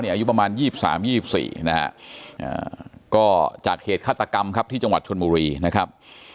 อายุประมาณ๒๓๒๔นะฮะก็จากเหตุฆาตกรรมครับที่จังหวัดชนบุรีนะครับ